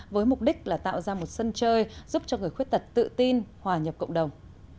với mục đích là tạo ra một sân chơi giúp cho người khuyết tật tự tin hòa nhập cộng đồng